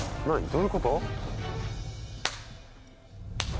どういうこと？